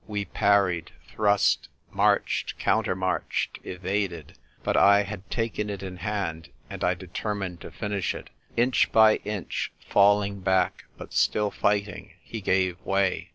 We parried, thrust, marched, countermarched, evaded; but I had taken it in hand, and I determined to finish it. Inch by inch falling back, but still fighting, he gave way.